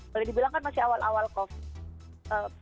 boleh dibilang kan masih awal awal covid